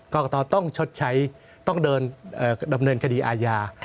กรกตต้องชดใช้ต้องเดินดำเนินคดีอาญา